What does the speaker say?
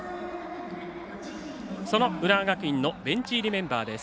その浦和学院のベンチ入りメンバーです。